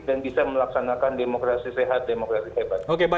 dan bisa melaksanakan demokrasi sehat demokrasi hebat